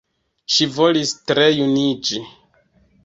Ŝi volis tre juniĝi.